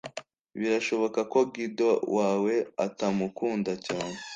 birashoboka ko Guido wawe atamukunda cyane